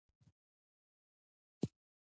د کلالۍ مهارت لری؟